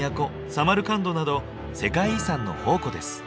サマルカンドなど世界遺産の宝庫です。